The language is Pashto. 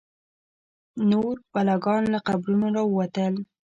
نور بلاګان له قبرونو راوتل.